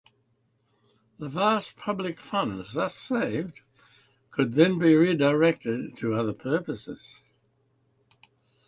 The vast public funds thus saved could then be redirected to other purposes.